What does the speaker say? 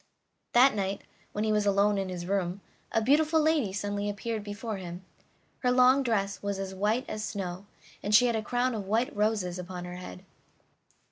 That night, when he was alone in his room, a beautiful lady suddenly appeared before him; her long dress was as white as snow, and she had a crown of white roses upon her head.